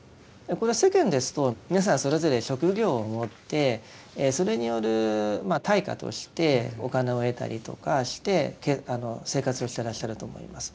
これは世間ですと皆さんそれぞれ職業を持ってそれによる対価としてお金を得たりとかして生活をしてらっしゃると思います。